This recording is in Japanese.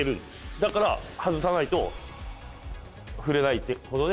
だから外さないと振れないっていうことで。